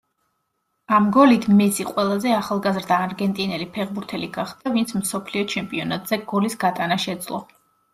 ამ გოლით მესი ყველაზე ახალგაზრდა არგენტინელი ფეხბურთელი გახდა, ვინც მსოფლიო ჩემპიონატზე გოლის გატანა შეძლო.